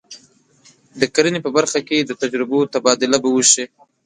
د کرنې په برخه کې د تجربو تبادله به وشي.